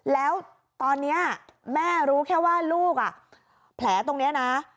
แล้วตอนนี้แม่รู้แค่ว่าลูกแผลตรงนี้นะ